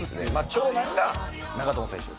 長男が長友選手です。